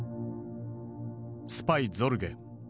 「スパイ・ゾルゲ」。